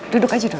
duduk aja duduk